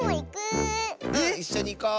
⁉いっしょにいこう。